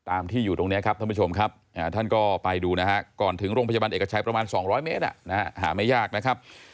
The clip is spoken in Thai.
ที่อยู่ตรงนี้ครับท่านผู้ชมครับท่านก็ไปดูนะฮะก่อนถึงโรงพยาบาลเอกชัยประมาณ๒๐๐เมตรหาไม่ยากนะครับ